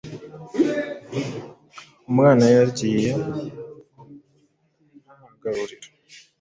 umwana yari yagiye ntagaruriro